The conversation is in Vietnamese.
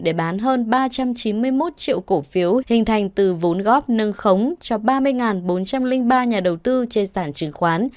để bán hơn ba trăm chín mươi một triệu cổ phiếu hình thành từ vốn góp nâng khống cho ba mươi bốn trăm linh ba nhà đầu tư trên sản chứng khoán